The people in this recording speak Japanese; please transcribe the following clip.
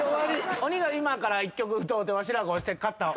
鬼が今から１曲歌うてわしらが押して勝った方が。